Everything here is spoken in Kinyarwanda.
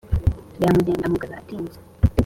yamujyanye amugarura atinze